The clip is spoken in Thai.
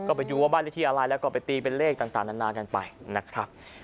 ก็ไปดูว่าบ้านเลขที่อะไรแล้วก็ไปตีเป็นเลขต่างนานากันไปนะครับ